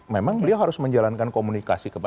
memang beliau harus menjalankan komunikasi